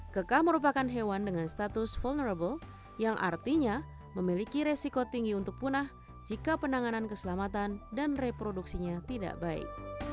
keka merupakan hewan dengan status vulnerable yang artinya memiliki resiko tinggi untuk punah jika penanganan keselamatan dan reproduksinya tidak baik